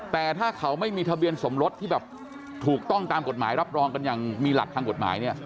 แต่ถ้าเขาไม่มีทะเบียนสมรสที่แบบถูกต้องตามกฎหมายรับรองกันอย่างมีหลักทางกฎหมายเนี่ย